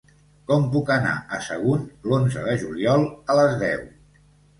Com puc anar a Sagunt l'onze de juliol a les deu?